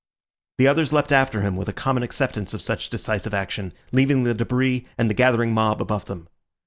The others leapt after him, with a common acceptance of such decisive action, leaving the debris and the gathering mob above them.